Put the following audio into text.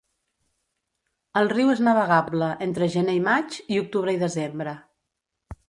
El riu és navegable entre gener i maig, i octubre i desembre.